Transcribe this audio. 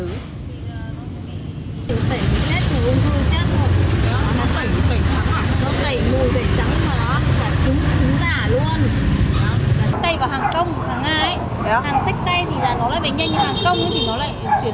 nó tẩy mùi hết rồi